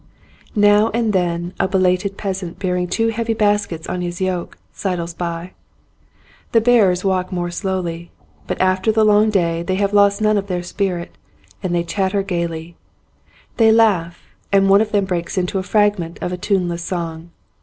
Now and then a belated peasant bearing two heavy baskets on his yoke sidles by. The bearers walk more slowly, but after the long day they have lost none of their spirit, and they chatter gaily; they laugh, and one of them breaks into a fragment of tuneless song.